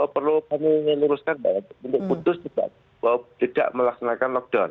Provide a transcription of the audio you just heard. perlu kami luruskan untuk kudus tidak melaksanakan lockdown